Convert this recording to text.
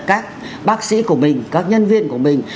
các bác sĩ của mình các nhân viên của mình